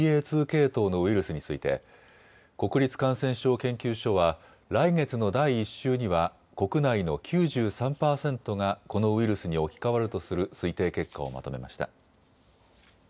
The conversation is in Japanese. ２系統のウイルスについて国立感染症研究所は来月の第１週には国内の９３％がこのウイルスに置き換わるとする推定結果をまとめました。